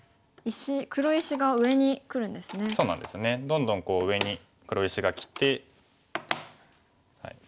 どんどん上に黒石がきて。